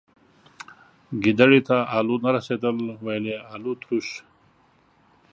گيدړي ته الو نه رسيدل ، ويل يې الوتروش.